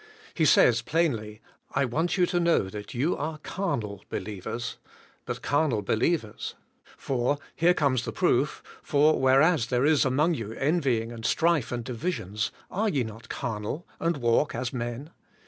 He says plainly,! want you to know that you are carnal, believers, but carnal believers, "For," here comes the proof, "For whereas there is among* you envying and strife, and divisions, are ye not carnal, and walk as men?"